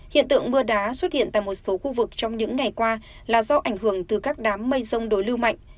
hiện tượng mưa đá xuất hiện tại một số khu vực trong những ngày qua là do ảnh hưởng từ các đám mây rông đối lưu mạnh